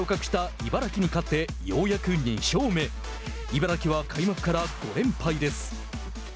茨城は開幕から５連敗です。